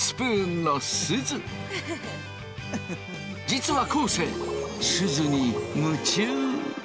実は昴生すずに夢中。